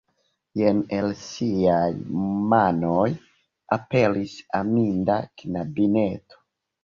Jen el ŝiaj manoj aperis aminda knabineto.